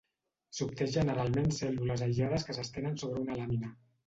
S'obté generalment cèl·lules aïllades que s'estenen sobre una làmina.